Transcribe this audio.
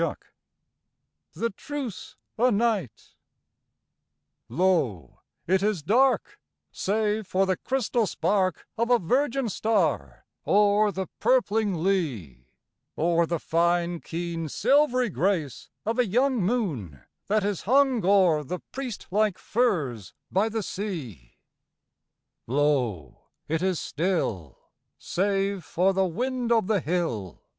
87 THE TRUCE O' NIGHT Lo, it is dark, Save for the crystal spark Of a virgin star o'er the purpling lea, Or the fine, keen, silvery grace of a young Moon that is hung O'er the priest like firs by the sea; Lo, it is still. Save for the wind of the hill.